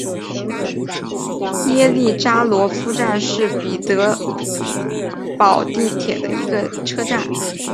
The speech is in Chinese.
耶利扎罗夫站是圣彼得堡地铁的一个车站。